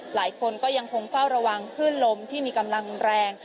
หลายคนก็ยังคงเฝ้าระวังคลื่นลมที่มีกำลังแรง